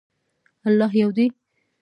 الله یو دی.